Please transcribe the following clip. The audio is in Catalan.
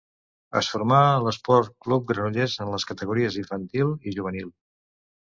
Es formà a l'Esport Club Granollers en les categories infantil i juvenil.